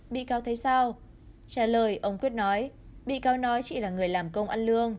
bị cao thấy sao trả lời ông quyết nói bị cao nói chỉ là người làm công ăn lương